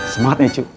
semangat nih cu